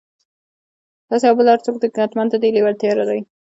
تاسې او بل هر څوک حتماً د دې لېوالتيا لرئ.